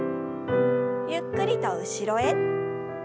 ゆっくりと後ろへ。